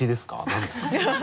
何ですか？